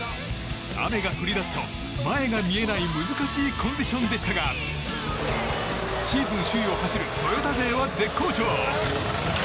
雨が降り出すと、前が見えない難しいコンディションでしたがシーズン首位を走るトヨタ勢は絶好調。